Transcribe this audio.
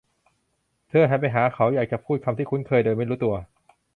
เธอหันไปหาเขา; อยากจะพูดคำที่คุ้นเคยโดยไม่รู้ตัว